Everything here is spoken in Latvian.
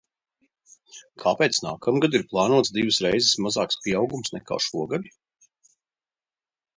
Kāpēc nākamgad ir plānots divas reizes mazāks pieaugums nekā šogad?